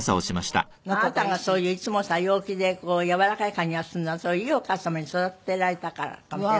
あなたがそういういつもさ陽気でやわらかい感じがするのはいいお母様に育てられたからかもしれませんよね。